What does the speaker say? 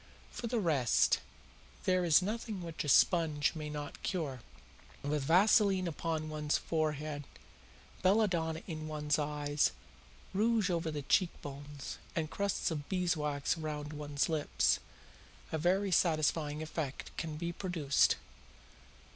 For the rest, there is nothing which a sponge may not cure. With vaseline upon one's forehead, belladonna in one's eyes, rouge over the cheek bones, and crusts of beeswax round one's lips, a very satisfying effect can be produced.